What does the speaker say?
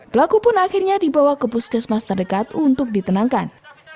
pelaku pun akhirnya dibawa ke puskesmas terdekat untuk ditenangkan